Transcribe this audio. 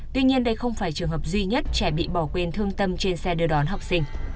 tuy nhiên đây không phải trường hợp duy nhất trẻ bị bỏ quên thương tâm trên xe đưa đón học sinh